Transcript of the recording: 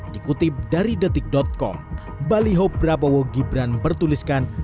dikutip dari detik com baliho prabowo gibran bertuliskan